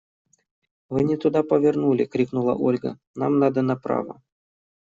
– Вы не туда повернули, – крикнула Ольга, – нам надо направо!